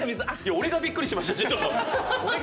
俺がびっくりしました。